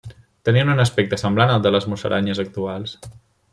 Tenien un aspecte semblant al de les musaranyes actuals.